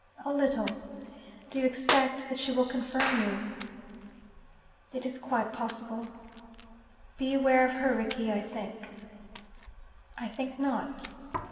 "A little." "Do you expect that she will confirm you?" "It is quite possible." "Beware of her, Rickie, I think." "I think not."